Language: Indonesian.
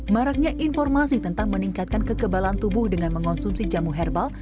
maraknya informasi tentang meningkatkan kekebalan tubuh dengan mengonsumsi jamu herbal